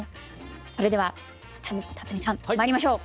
それでは辰巳さんまいりましょう。